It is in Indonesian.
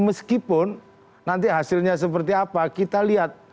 meskipun nanti hasilnya seperti apa kita lihat